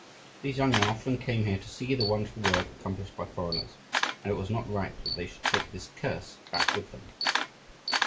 These young men often came here to see the wonderful work accomplished by foreigners, and it was not right that they should take this curse back with them.